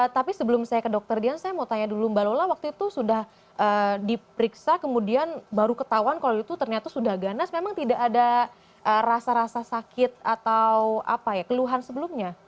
tapi sebelum saya ke dokter dian saya mau tanya dulu mbak lola waktu itu sudah diperiksa kemudian baru ketahuan kalau itu ternyata sudah ganas memang tidak ada rasa rasa sakit atau apa ya keluhan sebelumnya